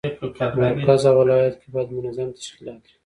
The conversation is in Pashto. په مرکز او ولایاتو کې باید منظم تشکیلات وي.